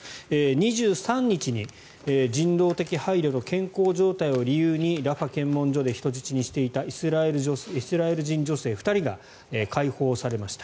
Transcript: ２３日に人道的配慮と健康状態を理由にラファ検問所で、人質にしていたイスラエル人女性２人が解放をされました。